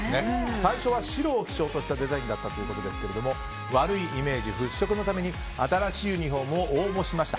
最初は白を基調としたデザインだったということですが悪いイメージ払拭のために新しいユニホームを応募しました。